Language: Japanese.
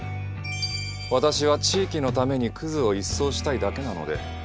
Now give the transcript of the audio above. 私は地域のためにクズを一掃したいだけなので。